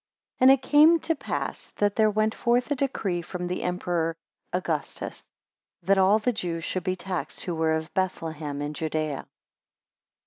AND it came to pass, that there went forth a decree from the Emperor Augustus, that all the Jews should be taxed, who were of Bethlehem in Judaea.